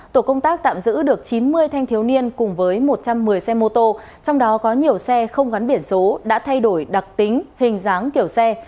tổ công tác tạm giữ được chín mươi thanh thiếu niên cùng với một trăm một mươi xe mô tô trong đó có nhiều xe không gắn biển số đã thay đổi đặc tính hình dáng kiểu xe